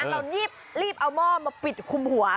เรารีบเอาหม้อมาปิดคุมหัว